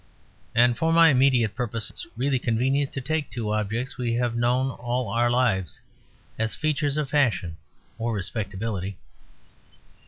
And for my immediate purpose it is really convenient to take two objects we have known all our lives, as features of fashion or respectability.